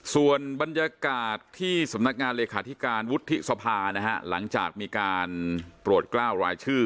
ส่วนบรรยากาศที่สำนักงานเลขาธิการวุฒิสภานะฮะหลังจากมีการโปรดกล้าวรายชื่อ